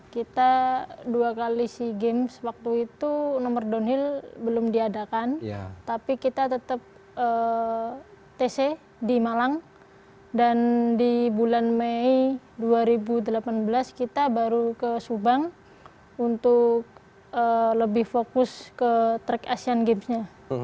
kita dua kali si games waktu itu nomor downhill belum diadakan tapi kita tetap tc di malang dan di bulan mei dua ribu delapan belas kita baru ke subang untuk lebih fokus ke track asian games nya